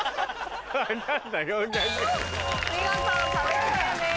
見事壁クリアです。